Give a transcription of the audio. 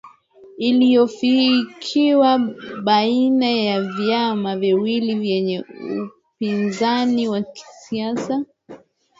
iofikiwa baina ya viama viwili vyenye upinzani wa kisiasa